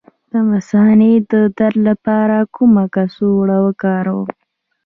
د مثانې د درد لپاره کومه کڅوړه وکاروم؟